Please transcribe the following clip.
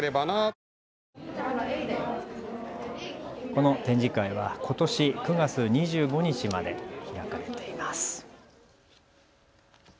この展示会はことし９月２５日まで開かれています。